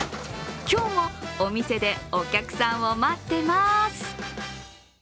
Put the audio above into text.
今日もお店でお客さんを待ってます。